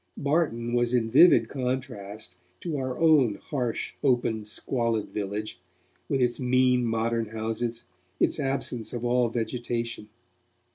Barton was in vivid contrast to our own harsh, open, squalid village, with its mean modern houses, its absence of all vegetation.